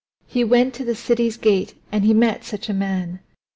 He went to the city's gate and he met such a man.